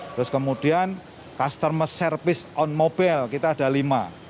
terus kemudian customer service on mobile kita ada lima